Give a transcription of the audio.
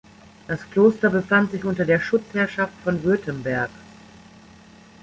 Das Kloster befand sich unter der Schutzherrschaft von Württemberg.